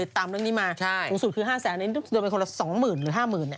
สูงสุดคือ๕๐๐นี้ต้องโดนไปคนละ๒๐๐๐๐หรือ๕๐๐๐๐เนี่ย